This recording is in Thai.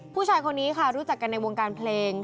ผู้ชายคนนี้ค่ะรู้จักกันในวงการเพลง